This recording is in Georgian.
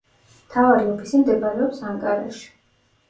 მთავარი ოფისი მდებარეობს ანკარაში.